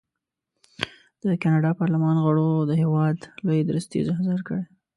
د کاناډا پارلمان غړو د هېواد لوی درستیز احضار کړی.